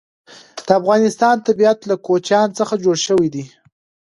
د افغانستان طبیعت له کوچیان څخه جوړ شوی دی.